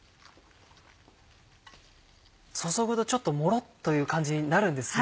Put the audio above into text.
注ぐとちょっとモロっという感じになるんですね。